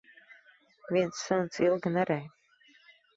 Viens suns ilgi nerej.